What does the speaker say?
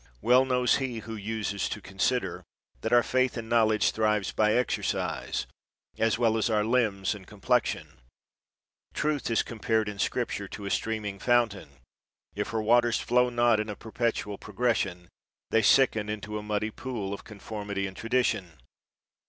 Well knows he who uses to consider, that our faith and knowledge thrives by exercise, as well as our limbs and complexion. Truth is com pared in Scripture to a streaming fountain; if her waters flow not in a perpetual progression, they sicken into a muddy pool of conformity and tradition.